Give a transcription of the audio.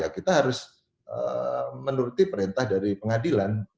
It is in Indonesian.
kita harus menuruti perintah dari pengadilan